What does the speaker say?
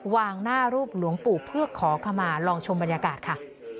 วางหน้ารูปหลวงปู่เพื่อขอขมาลองชมบรรยากาศค่ะ